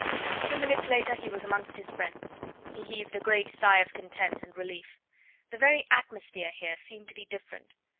Two minutes later he was amongst his friends. He heaved a great sigh of content and relief. The very atmosphere here seemed to be different.